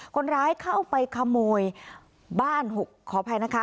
คนร้ายเข้าไปขโมยบ้าน๖ขออภัยนะคะ